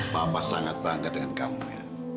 papa sangat bangga dengan kamu ya